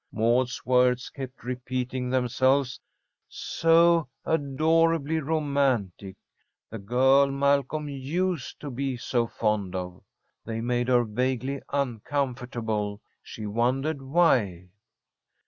Maud's words kept repeating themselves: "So adorably romantic. The girl Malcolm used to be so fond of!" They made her vaguely uncomfortable. She wondered why.